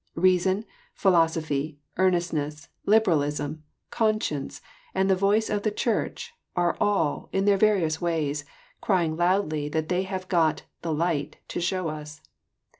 Reason, philosophy, earnestness, liberalism, conscience, and the voice of the Church, are all, in .their various ways, crying loudly that they have got " the light " to show us.